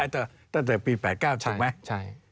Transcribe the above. ตั้งแต่ปี๑๙๘๙ถูกมั้ย